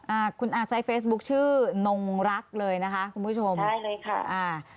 อ่าคุณอาใช้เฟซบุ๊คชื่อนงรักเลยนะคะคุณผู้ชมใช่เลยค่ะอ่า